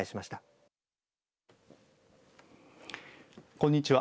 こんにちは。